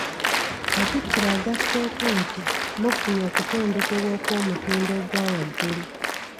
Katikkiro agasseeko nti “mufunye okutendekebwa okw'omutindo ogwa waggulu"